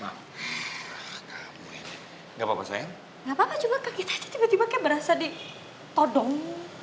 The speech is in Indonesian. enggak papa sayang nggak papa juga kita tiba tiba ke berasa di todong